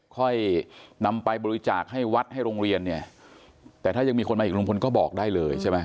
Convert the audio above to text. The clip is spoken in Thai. ค่อยนำไปบริจาคให้วัดให้โรงเรียนเนี่ยแต่ถ้ายังมีคนมาอีกลุงพลก็บอกได้เลยใช่ไหม